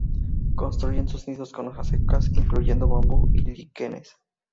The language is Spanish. Construye sus nidos con hojas secas, incluyendo bambú, y líquenes.